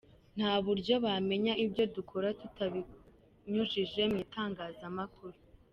Nta buryo bamenya ibyo dukora tutabinyujije mu Itangazamakuru.